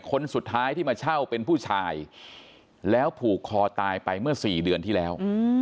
คนสุดท้ายที่มาเช่าเป็นผู้ชายแล้วผูกคอตายไปเมื่อ๔เดือนที่แล้ว